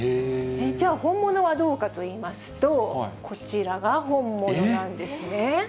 じゃあ、本物はどうかといいますと、こちらが本物なんですね。